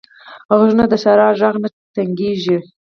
غوږونه د ښیرا غږ نه تنګېږي